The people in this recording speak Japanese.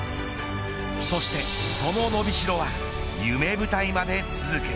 そして、その伸びしろは夢舞台まで続く。